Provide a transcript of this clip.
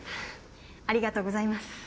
ありがとうございます。